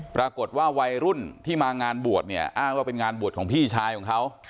วัยรุ่นที่มางานบวชเนี่ยอ้างว่าเป็นงานบวชของพี่ชายของเขา